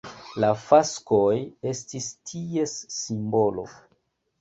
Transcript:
La faskoj estis ties simbolo.